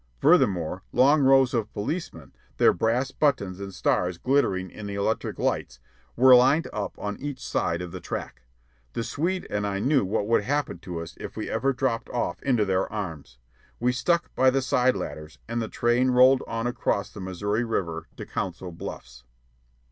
Furthermore, long rows of policemen, their brass buttons and stars glittering in the electric lights, were lined up on each side of the track. The Swede and I knew what would happen to us if we ever dropped off into their arms. We stuck by the side ladders, and the train rolled on across the Missouri River to Council Bluffs.